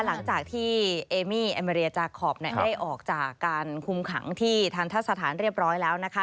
หลังจากที่เอมี่แอมเรียจาคอปได้ออกจากการคุมขังที่ทันทะสถานเรียบร้อยแล้วนะคะ